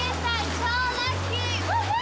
超ラッキー。